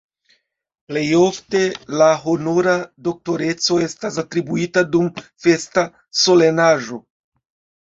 Plej ofte la honora doktoreco estas atribuita dum festa solenaĵo.